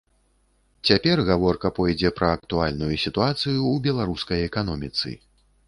Цяпер гаворка пойдзе пра актуальную сітуацыю ў беларускай эканоміцы.